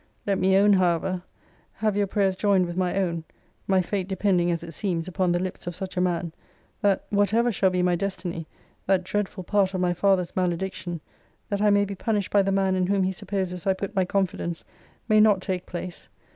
Let me own, however, have your prayers joined with my own, (my fate depending, as it seems, upon the lips of such a man) 'that, whatever shall be my destiny, that dreadful part of my father's malediction, that I may be punished by the man in whom he supposes I put my confidence, may not take place!